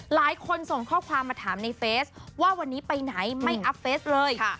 ส่งข้อความมาถามในเฟสว่าวันนี้ไปไหนไม่อัพเฟสเลย